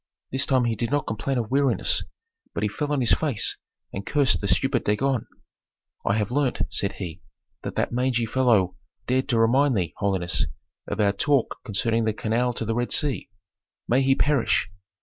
This time he did not complain of weariness, but he fell on his face and cursed the stupid Dagon. "I have learned," said he, "that that mangy fellow dared to remind thee, holiness, of our talk concerning the canal to the Red Sea. May he perish!